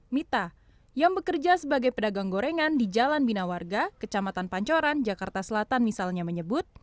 mita yang bekerja sebagai pedagang gorengan di jalan bina warga kecamatan pancoran jakarta selatan misalnya menyebut